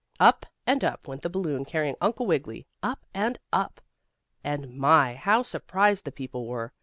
Up and up went the balloon carrying Uncle Wiggily. Up and up! And my! how surprised the people were.